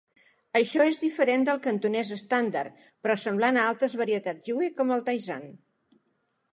Això és diferent del cantonès estàndard, però semblant a altres varietats Yue com el Taishan.